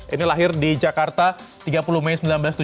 ini lahir di jakarta tiga puluh mei seribu sembilan ratus tujuh puluh